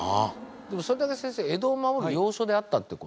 でもそれだけ先生江戸を守る要所であったってこと？